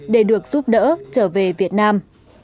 để được giúp đỡ trở về việt nam